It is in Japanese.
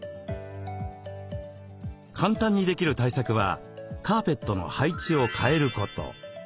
簡単にできる対策はカーペットの配置を変えること。